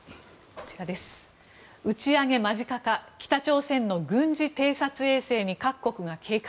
打ち上げ間近か北朝鮮の軍事偵察衛星に各国が警戒。